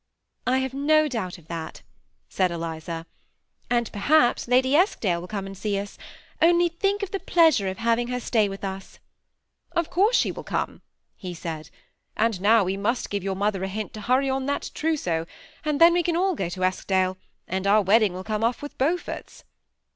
" I have no doubt of that," said Eliza ;" and perhaps Lady Eskdale will come and see us. Only think of the pleasure of having her staying with us I "" Of course she will come," he said ;" and now we must give your mother a hint to hurry on that trous seau; and then we can all go to Eskdale, and our wedding will come off with Beaufort's."